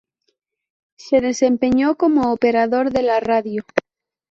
Se desempeñó como operador de la radio.